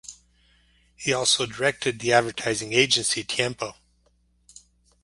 He also directed the advertising agency Tiempo.